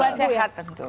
buat sehat tentu